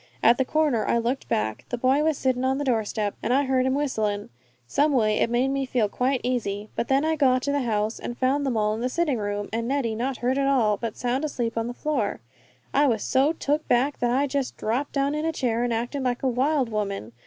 At the corner I looked back. The boy was sittin' on the doorstep, an' I heard him whistlin'; someway it made me feel quite easy. But when I got to the house and found them all in the sitting room, and Neddy not hurt at all, but sound asleep on the floor, I was so took back that I just dropped down on a chair and acted like a wild woman.